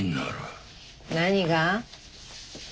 何が？